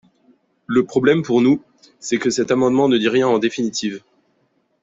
Le problème, pour nous, c’est que cet amendement ne dit rien en définitive.